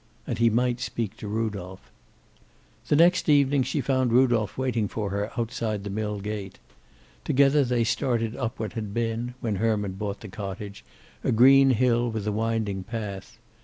And he might speak to Rudolph. The next evening she found Rudolph waiting for her outside the mill gate. Together they started up what had been, when Herman bought the cottage, a green hill with a winding path.